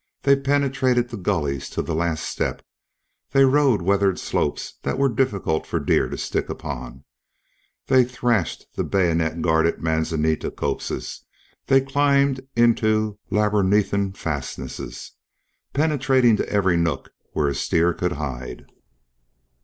They penetrated the gullies to the last step; they rode weathered slopes that were difficult for deer to stick upon; they thrashed the bayonet guarded manzanita copses; they climbed into labyrinthine fastnesses, penetrating to every nook where a steer could hide.